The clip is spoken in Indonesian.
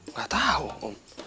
nggak tahu om